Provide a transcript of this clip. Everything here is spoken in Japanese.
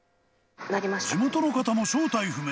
地元の方も正体不明。